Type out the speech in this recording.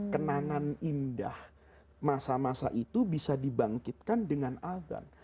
kenangan indah masa masa itu bisa dibangkitkan dengan azan